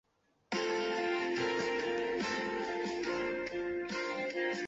它在不列颠群岛主要用来描述一类丘陵要塞以及大西洋圆屋。